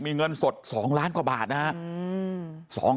มีเงินสด๒ล้านกว่าบาทนะครับ